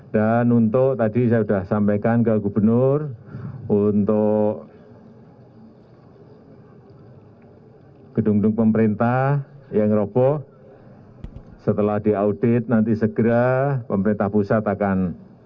dan untuk tadi saya sudah sampaikan kepada gubernur untuk gedung gedung pemerintah yang roboh setelah diaudit nanti segera pemerintah pusat akan